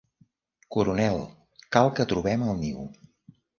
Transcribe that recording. Coronel, cal que trobem el niu.